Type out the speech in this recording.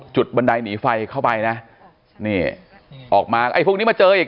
บันไดหนีไฟเข้าไปนะนี่ออกมาไอ้พวกนี้มาเจออีก